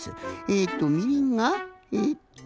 えとみりんがえと。